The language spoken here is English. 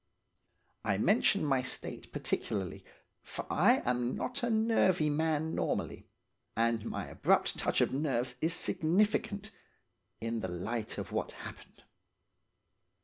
I mention my state particularly, for I am not a nervy man normally, and my abrupt touch of nerves is significant, in the light of what happened.